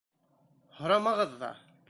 Һорамағыҙ ҙа!